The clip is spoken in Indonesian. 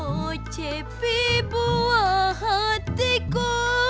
oh cepi buah hatiku